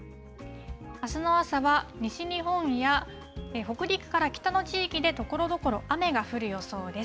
あすの朝は西日本や北陸から北の地域でところどころ雨が降る予想です。